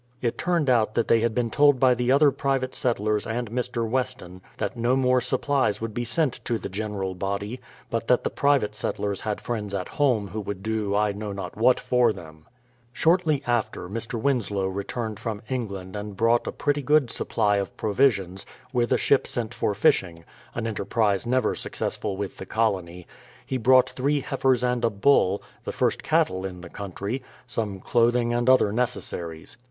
It turned out that they had been told by the other private settlers and Mr. Weston that no more supplies w'ould be sent to the general body, but that the private settlers had friends at home who would do I know not what for them. Shortly after, Mr. Winslow returned from England and brought a pretty good supply of provisions, jvith a ship THE PLYMOUTH SETTLEMENT 135^ sent for fishing, — an enterprise never successful with the colony. He brought three heifers and a bull, — the first cattle In the country, — some clothing and other neces saries.